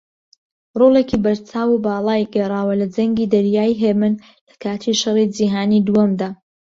ڕۆڵێکی بەرچاو و باڵای گێڕاوە لە جەنگی دەریای ھێمن لەکاتی شەڕی جیهانی دووەمدا